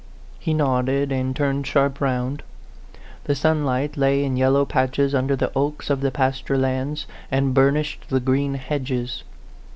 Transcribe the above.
He nodded, and turned sharp round. The sunlight lay in yellow patches under the oaks of the pasture lands, and burnished the green hedges.